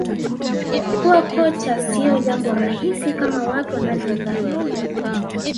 kuwa kocha sio jambo rahisi kama watu wanavyodhani